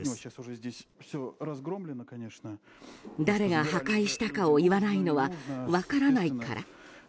誰が破壊したかを言わないのは分からないから？